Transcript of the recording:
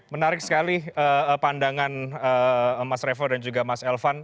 menarik sekali pandangan mas revo dan juga mas elvan